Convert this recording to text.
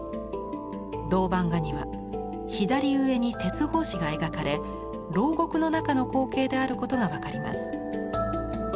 銅版画には左上に鉄格子が描かれ牢獄の中の光景であることが分かります。